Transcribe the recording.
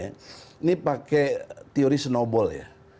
ini pakai teori snowball ya